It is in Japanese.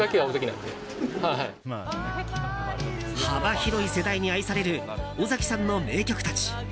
幅広い世代に愛される尾崎さんの名曲たち。